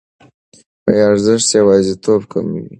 ارزښت یوازیتوب کموي.